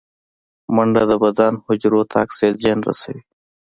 منډه د بدن حجرو ته اکسیجن رسوي